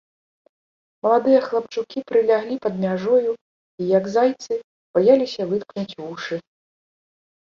Маладыя хлапчукі прыляглі пад мяжою і, як зайцы, баяліся выткнуць вушы.